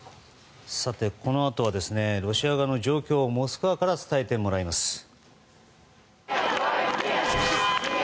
このあとはロシア側の状況をモスクワから伝えてもらいます。